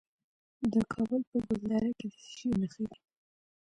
د کابل په ګلدره کې د څه شي نښې دي؟